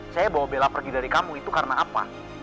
saya bawa bela pergi dari kamu itu karena apa